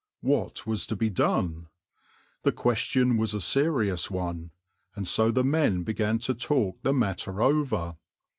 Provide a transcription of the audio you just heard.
What was to be done? The question was a serious one, and so the men began to talk the matter over.